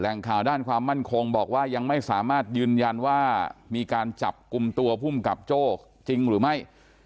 ข่าวด้านความมั่นคงบอกว่ายังไม่สามารถยืนยันว่ามีการจับกลุ่มตัวภูมิกับโจ้จริงหรือไม่